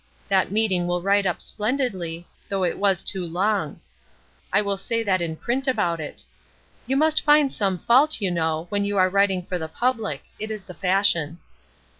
That meeting will write up splendidly, though it was too long; I will say that in print about it. You must find some fault, you know, when you are writing for the public; it is the fashion."